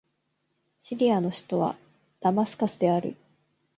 シリアの首都はダマスカスである